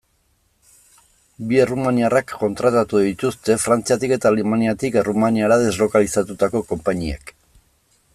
Bi errumaniarrak kontratatu dituzte Frantziatik eta Alemaniatik Errumaniara deslokalizatutako konpainiek.